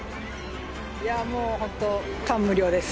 もう本当、感無量です。